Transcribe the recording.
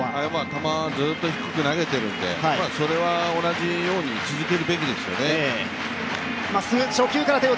球をずっと低く投げているんで、それは同じように続けるべきですよね。